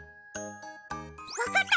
わかった！